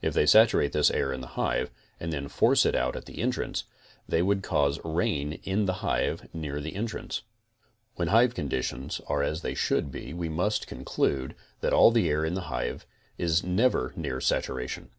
If they saturated this air'in the hive and then forced it out at the entrance, they would cause rain in the hive near the entrance. When hive conditions are as they should be we must con clude that all the air in the hive is never near saturation.